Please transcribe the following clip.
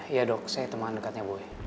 iya dok saya teman dekatnya boy